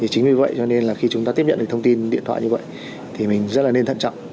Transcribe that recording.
chính vì vậy cho nên là khi chúng ta tiếp nhận được thông tin điện thoại như vậy thì mình rất là nên thận trọng